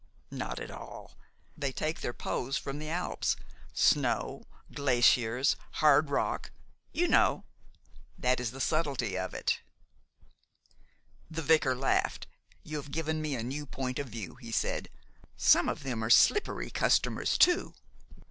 "Not at all. They take their pose from the Alps, snow, glaciers, hard rock, you know, that is the subtlety of it." The vicar laughed. "You have given me a new point of view," he said. "Some of them are slippery customers too.